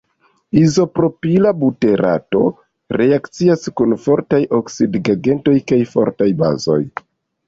Izopropila buterato reakcias kun fortaj oksidigagentoj kaj fortaj bazoj.